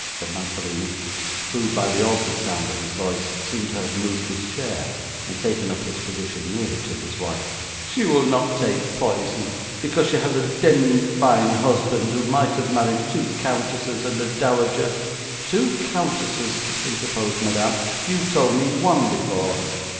said Mantalini; who, by the altered sound of his voice, seemed to have moved his chair, and taken up his position nearer to his wife. 'She will not take poison, because she had a demd fine husband who might have married two countesses and a dowager ' 'Two countesses,' interposed Madame. 'You told me one before!